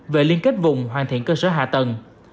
về liên kết vùng hoàn thiện cơ sở hạ tầng